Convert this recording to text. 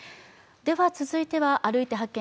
続いては「歩いて発見！